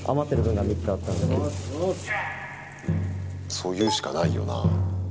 そう言うしかないよな。